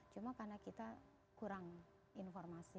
cuma karena kita kurang informasi